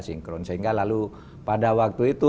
sinkron sehingga lalu pada waktu itu